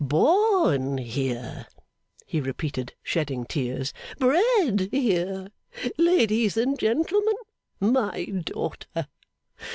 'Born here,' he repeated, shedding tears. 'Bred here. Ladies and gentlemen, my daughter.